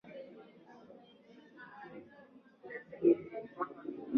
Ba mama bote beko naria nju ya haki yabo